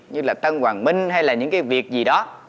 như là tân hoàng minh hay là những cái việc gì đó